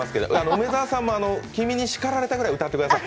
梅澤さんもキミに叱られたぐらい歌ってください。